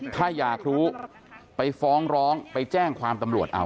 ถ้าอยากรู้ไปฟ้องร้องไปแจ้งความตำรวจเอา